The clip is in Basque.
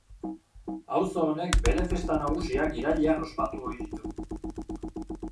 Auzo honek bere festa nagusiak irailean ospatu ohi ditu.